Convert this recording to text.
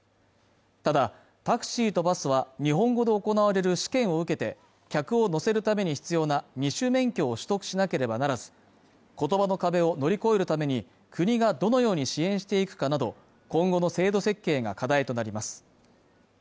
ただタクシーとバスは日本語で行われる試験を受けて客を乗せるために必要な二種免許を取得しなければならず言葉の壁を乗り越えるために国がどのように支援していくかなど今後の制度設計が課題となります